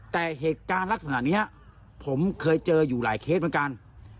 แต่เหตุการณ์ลักษณะนี้ผมเคยเจออยู่หลายเคสเหมือนกัน